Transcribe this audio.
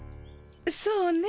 そうね。